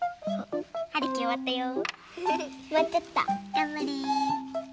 がんばれ。